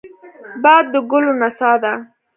باد د ګلو نڅا ده